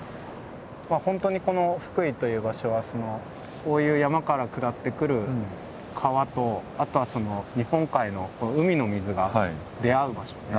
本当にこの福井という場所はこういう山から下ってくる川とあとは日本海の海の水が出会う場所で。